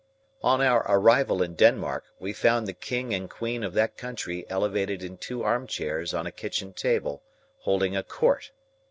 On our arrival in Denmark, we found the king and queen of that country elevated in two arm chairs on a kitchen table, holding a Court.